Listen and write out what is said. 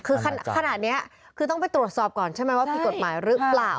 คือขนาดนี้คือต้องไปตรวจสอบก่อนใช่ไหมว่าผิดกฎหมายหรือเปล่า